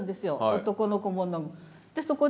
男の子も。